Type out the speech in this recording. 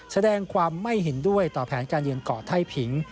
แสดงความไม่เห็นด้วยต่อแผนการยืนเกาะไท่ผิง